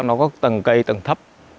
nó có tầng cây tầng thấp